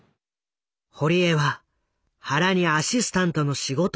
堀江は原にアシスタントの仕事を紹介。